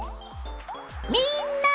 みんな！